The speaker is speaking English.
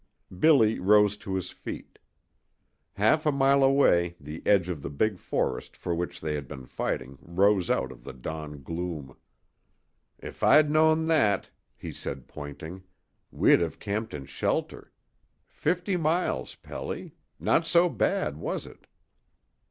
Billy rose to his feet. Half a mile away the edge of the big forest for which they had been fighting rose out of the dawn gloom. "If I'd known that," he said, pointing, "we'd have camped in shelter. Fifty miles, Pelly. Not so bad, was it?"